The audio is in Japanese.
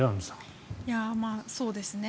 そうですね。